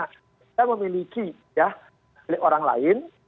kita memiliki ya milik orang lain